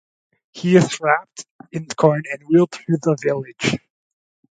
He is wrapped in corn and wheeled through the village.